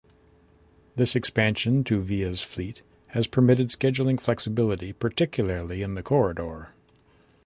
This expansion to Via's fleet has permitted scheduling flexibility, particularly in the corridor.